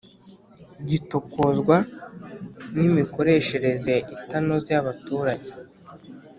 Gitokozwa, n’imikoreshereze itanoze y’abaturage